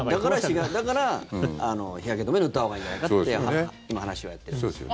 だから日焼け止めを塗ったほうがいいんじゃないかって今、話をやってるんです。